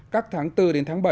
các tháng bốn đến tháng năm